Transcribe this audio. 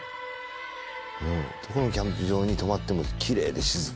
うん「どこのキャンプ場に泊まってもキレイで静か」